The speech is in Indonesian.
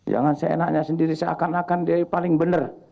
jangan seenaknya sendiri seakan akan dia paling benar